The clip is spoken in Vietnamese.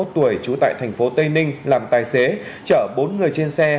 ba mươi một tuổi chú tại thành phố tây ninh làm tài xế chở bốn người trên xe